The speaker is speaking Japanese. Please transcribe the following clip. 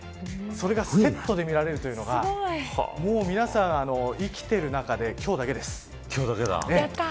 これがセットで見られるのが皆さん生きている中で今日だけです。